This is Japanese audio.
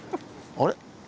あれ？